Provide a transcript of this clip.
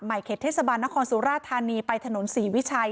ใหม่เข็ดเทศบาลนครสุราธารณีไปถนน๔วิชัย